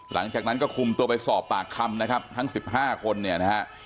หลังจากนั้นก็คุมตัวไปสอบปากคำนะครับทั้ง๑๕คนเนี่ยนะฮะ